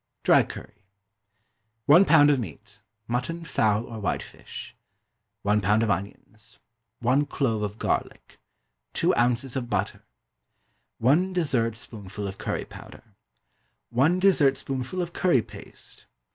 Dry Curry. 1 lb. of meat (mutton, fowl, or white fish). 1 lb. of onions. 1 clove of garlic. 2 ounces of butter. 1 dessert spoonful of curry powder. 1 dessert spoonful of curry paste.